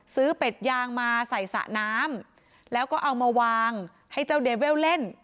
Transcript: เป็ดยางมาใส่สระน้ำแล้วก็เอามาวางให้เจ้าเดเวลเล่น